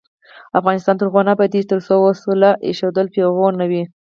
افغانستان تر هغو نه ابادیږي، ترڅو وسله ایښودل پیغور نه وي.